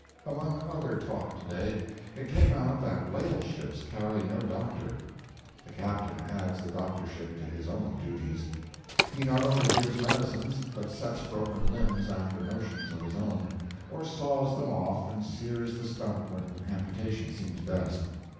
Among other talk to day, it came out that whale ships carry no doctor. The captain adds the doctorship to his own duties. He not only gives medicines, but sets broken limbs after notions of his own, or saws them off and sears the stump when amputation seems best.